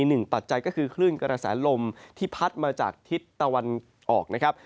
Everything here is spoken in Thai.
ปัจจัยก็คือคลื่นกระแสลมที่พัดมาจากทิศตะวันออกนะครับ